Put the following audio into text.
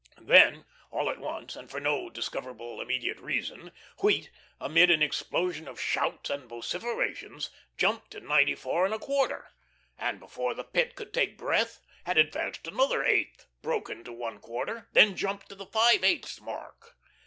Then all at once, and for no discoverable immediate reason, wheat, amid an explosion of shouts and vociferations, jumped to ninety four and a quarter, and before the Pit could take breath, had advanced another eighth, broken to one quarter, then jumped to the five eighths mark.